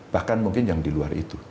bahkan mungkin yang di luar itu